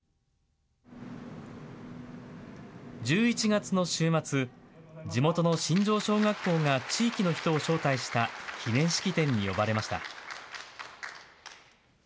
１１月の週末、地元の新城小学校が、地域の人を招待した記念式典に呼ばれました。